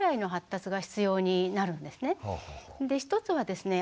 １つはですね